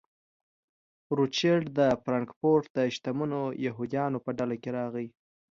روچیلډ د فرانکفورټ د شتمنو یهودیانو په ډله کې راغی.